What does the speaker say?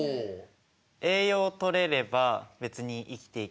栄養とれれば別に生きていける。